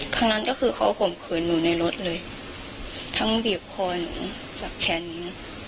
ครั้งนั้นก็คือเขาข่มขืนหนูในรถเลยทั้งบีบคอหนูจับแขนหนู